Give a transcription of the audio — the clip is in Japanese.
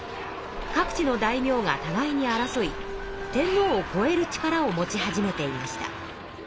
各地の大名がたがいに争い天皇をこえる力を持ち始めていました。